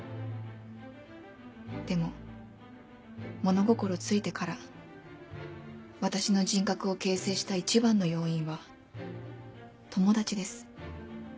でも物心ついてから私の人格を形成した一番の要因は友達です。